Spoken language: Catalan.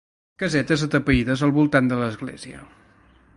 Casetes atapeïdes al voltant de l'església